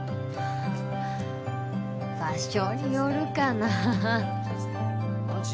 場所によるかなマジ？